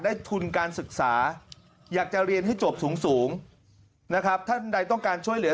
ทุนการศึกษาอยากจะเรียนให้จบสูงนะครับท่านใดต้องการช่วยเหลือ